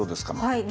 はい。